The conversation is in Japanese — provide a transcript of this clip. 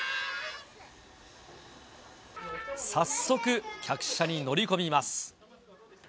早速客車に乗り込みます。